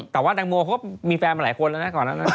แต่ว่าแตงโมเขามีแฟนมาหลายคนแล้วนะก่อนนั้น